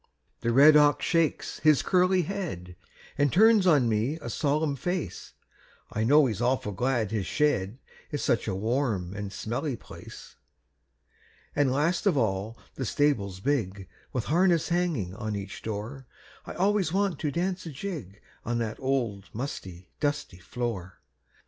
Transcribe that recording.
The red ox shakes his curly head, An' turns on me a solemn face; I know he's awful glad his shed Is such a warm and smelly place. An' last of all the stable big, With harness hanging on each door, I always want to dance a jig On that old musty, dusty floor.